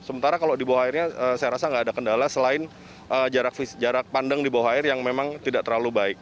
sementara kalau di bawah airnya saya rasa nggak ada kendala selain jarak pandang di bawah air yang memang tidak terlalu baik